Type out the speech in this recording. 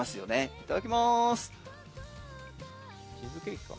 いただきます。